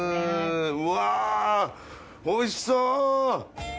うわぁおいしそう！